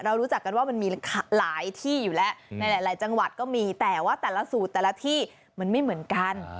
รู้จักกันว่ามันมีหลายที่อยู่แล้วในหลายจังหวัดก็มีแต่ว่าแต่ละสูตรแต่ละที่มันไม่เหมือนกัน